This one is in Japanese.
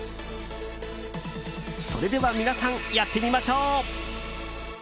それでは皆さん、やってみましょう。